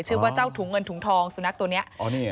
ชื่อว่าเจ้าถุงเงินถุงทองสุนัขตัวเนี้ยอ๋อเนี้ย